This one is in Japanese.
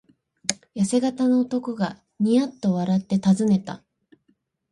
やせ型の男がニヤッと笑ってたずねた。